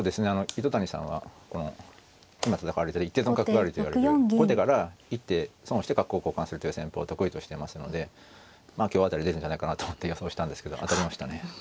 糸谷さんはこの今戦われてる一手損角換わりといわれる後手から一手損をして角を交換するという戦法を得意としてますので今日辺り出るんじゃないかなと思って予想したんですけど当たりましたね。